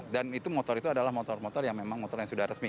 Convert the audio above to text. dan itu motor itu adalah motor motor yang memang sudah resmi